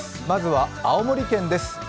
まずは青森県です。